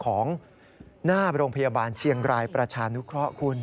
หน้าโรงพยาบาลเชียงรายประชานุเคราะห์คุณ